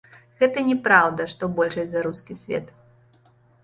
Гэта не праўда, што большасць за рускі свет.